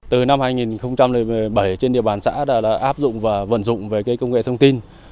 từ năm hai nghìn một mươi bảy trên địa bàn xã đã áp dụng và vận dụng về công nghệ thông tin